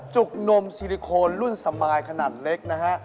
จุกนมซิลิโคนรุ่นสมายขนาดเล็กนะฮะ